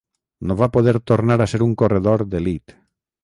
No va poder tornar a ser un corredor d'elit.